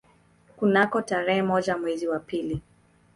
Kunako tarehe moja mwezi wa pili